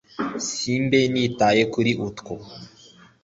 si mbe nitaye kuri utwo